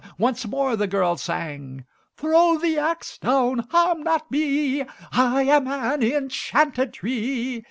Once more the girl sang, "Throw the axe down, harm not me. I am an enchanted tree.